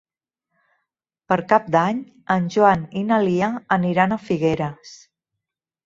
Per Cap d'Any en Joan i na Lia aniran a Figueres.